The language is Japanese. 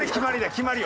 決まりよ。